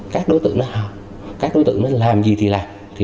các đối tượng làm gì